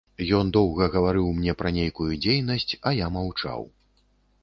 Ён доўга гаварыў мне пра нейкую дзейнасць, а я маўчаў.